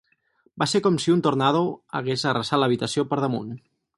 Va ser com si un tornado hagués arrasat l'habitació per damunt.